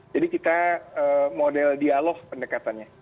jadi kita model dialog pendekatannya